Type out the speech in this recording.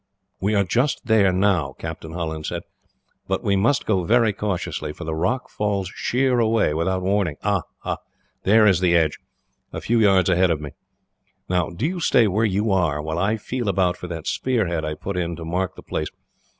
"We are just there now," Captain Holland said. "But we must go very cautiously, for the rock falls sheer away, without warning. Ah! There is the edge, a few yards ahead of me. "Now, do you stay where you are, while I feel about for that spear head I put in to mark the place.